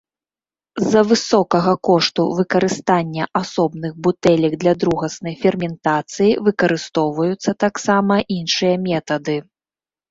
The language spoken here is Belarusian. З-за высокага кошту выкарыстання асобных бутэлек для другаснай ферментацыі, выкарыстоўваюцца таксама іншыя метады.